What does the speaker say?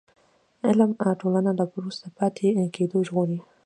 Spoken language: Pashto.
علم ټولنه له وروسته پاتې کېدو ژغوري.